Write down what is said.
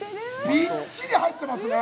びっちり入ってますね。